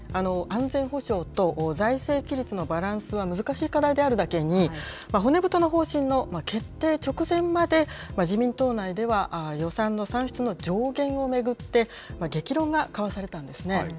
安全保障と財政規律のバランスは難しい課題であるだけに、骨太の方針の決定直前まで、自民党内では、予算の算出の上限を巡って、激論が交わされたんですね。